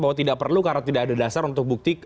bahwa tidak perlu karena tidak ada dasar untuk bukti